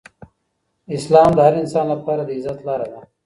اسلام د هر انسان لپاره د عزت لاره ده.